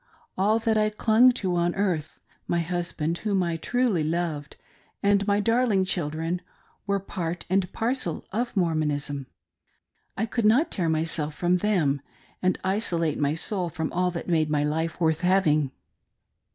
All that I clung to on earth — my husband, whom I truly loved, and my darling children — were part and parcel of Mormonism. I could not tear myself from them, and isolate my soul from all that made life worth having.